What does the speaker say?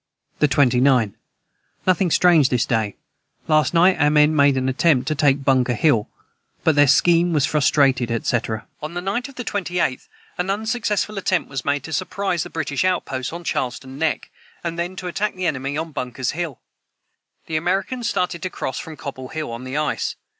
the 29. Nothing strange this day Last Night our men made an atempt to take Bunker hill but their Scheem was frustrated &c. [Footnote 198: On the night of the 28th, an unsuccessful attempt was made to surprise the British outposts on Charlestown neck, and then to attack the enemy on Bunker's hill. The Americans started to cross from Cobble hill, on the ice.